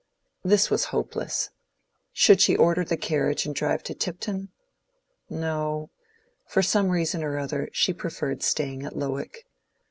This was hopeless. Should she order the carriage and drive to Tipton? No; for some reason or other she preferred staying at Lowick.